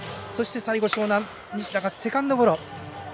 最後、樟南西田がセカンドゴロ。